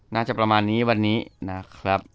น่าจะประมาณนี้วันนี้นะครับ